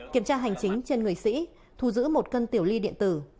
kiểm tra hành chính trên người sĩ thu giữ một cân tiểu ly điện tử